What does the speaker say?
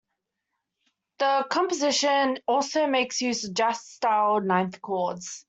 The composition also makes use of jazz-style ninth chords.